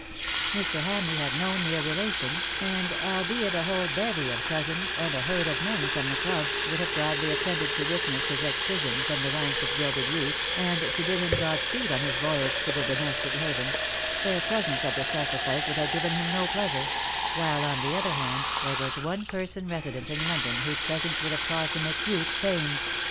Mr. Hamleigh had no near relations — and albeit a whole bevy of cousins and a herd of men from the clubs would have gladly attended to witness his excision from the ranks of gilded youth, and to bid him God speed on his voyage to the domestic haven — their presence at the sacrifice would have given him no pleasure — while, on the other hand, there was one person resident in London whose presence would have caused him acute pain.